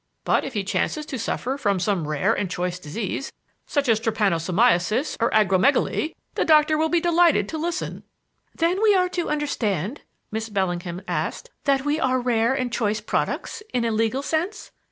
But if he chances to suffer from some rare and choice disease such as Trypanosomiasis or Acromegaly, the doctor will be delighted to listen." "Then are we to understand," Miss Bellingham asked, "that we are rare and choice products, in a legal sense?"